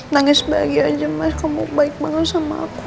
nangis bahagianya kamu baik banget sama aku